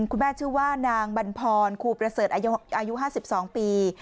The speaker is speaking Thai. ชื่อว่านางบรรพรครูประเสริฐอายุ๕๒ปี